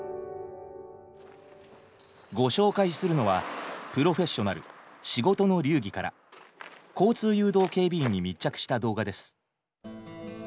ご紹介するのは「プロフェッショナル仕事の流儀」から交通誘導警備員に密着した動画です。